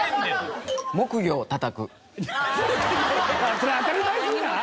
それ当たり前すぎない？